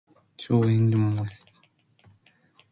Joyetkũngẽs̃h k̃hũ tẽklifẽ halẽ disht